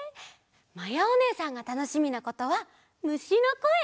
まやおねえさんがたのしみなことはむしのこえ！